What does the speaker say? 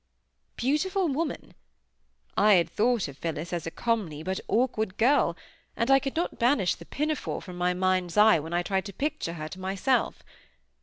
beautiful woman! I had thought of Phillis as a comely but awkward girl; and I could not banish the pinafore from my mind's eye when I tried to picture her to myself.